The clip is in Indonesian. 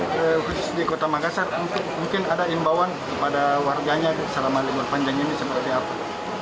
khusus di kota makassar mungkin ada imbauan kepada warganya selama libur panjang ini seperti apa